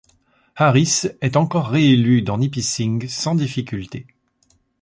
Harris est encore réélu dans Nipissing sans difficulté.